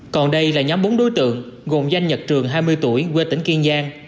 còn đây là nhóm bốn đối tượng gồm danh nhật trường hai mươi tuổi quê tỉnh kiên giang